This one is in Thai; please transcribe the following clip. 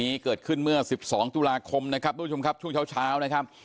ในโดรดิปราบแรงอย่างหมดแล้วก็สวัสดิตตามให้ด้วย